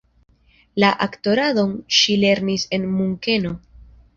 La aktoradon ŝi lernis en Munkeno.